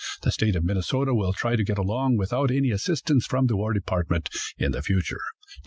The State of Minnesota will try to get along without any assistance from the war department in the future.